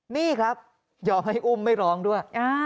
นี่ครับยอมให้อุ้มไม่ร้องด้วย